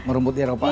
merumbut di eropa